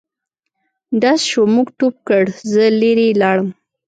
ډز شو موږ ټوپ کړ زه لیري لاړم.